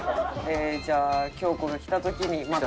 じゃあ京子が来た時にまた。